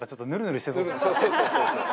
そうそうそうそう。